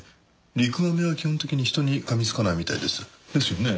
リクガメは基本的に人に噛み付かないみたいです。ですよね？